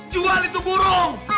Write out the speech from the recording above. jual itu burung